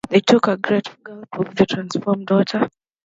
They took a great gulp of the transformed water.